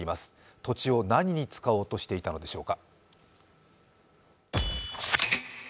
土地を何に使おうとしていたのでしょうか。